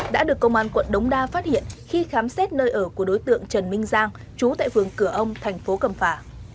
đã được công an quận đống đa phát hiện khi khám xét nơi ở của đối tượng trần minh giang chú tại phường cửa ông tp cầm phà